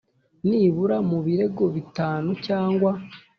nibura mu birego bitanu cyangwa